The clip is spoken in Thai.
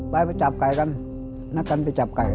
ไปไปจับไก่กันนักการไปจับไก่แล้ว